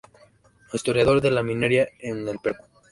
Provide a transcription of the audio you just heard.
Historiador de la minería en el Perú.